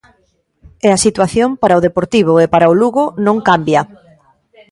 E a situación para o Deportivo e para o Lugo non cambia.